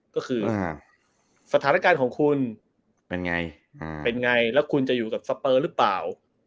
ก็คือสถานการณ์ของคุณเป็นไงเป็นไงแล้วคุณจะอยู่กับสเปอร์หรือเปล่า